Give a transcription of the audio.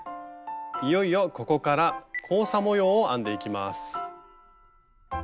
いよいよここから交差模様を編んでいきます。